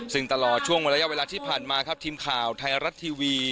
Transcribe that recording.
ซึ่งตลอดช่วงระยะเวลาที่ผ่านมาครับทีมข่าวไทยรัฐทีวี